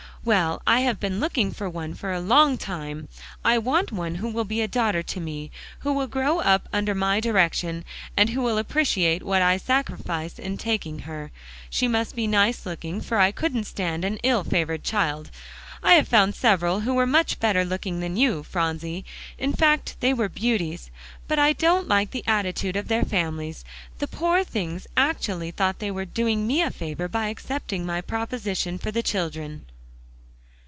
"Well, I have been looking for one for a long time. I want one who will be a daughter to me; who will grow up under my direction, and who will appreciate what I sacrifice in taking her. She must be nice looking, for I couldn't stand an ill favored child. I have found several who were much better looking than you, Phronsie; in fact, they were beauties; but I don't like the attitude of their families. The poor things actually thought they were doing me a favor by accepting my proposition for the children."